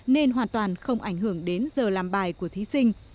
nên hoàn toàn không ảnh hưởng đến giờ làm bài của thí sinh